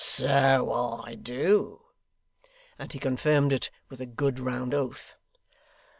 'So I do,' and he confirmed it with a good round oath.